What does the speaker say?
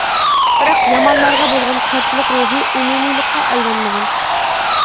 بىراق يامانلارغا بولغان قارشىلىق روھى ئومۇمىيلىققا ئايلانمىغان.